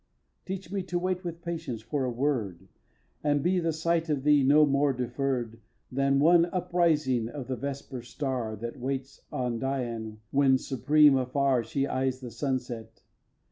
xvi. Teach me to wait with patience for a word, And be the sight of thee no more deferr'd Than one up rising of the vesper star That waits on Dian when, supreme, afar, She eyes the sunset.